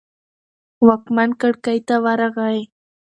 واکمن کړکۍ ته ورغی.